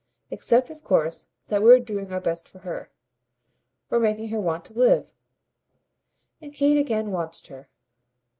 Except of course that we're doing our best for her. We're making her want to live." And Kate again watched her.